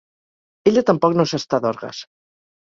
Ella tampoc no s'està d'orgues.